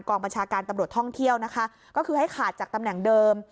บัญชาการตำรวจท่องเที่ยวนะคะก็คือให้ขาดจากตำแหน่งเดิม